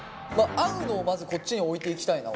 合うのをまずこっちに置いていきたいな。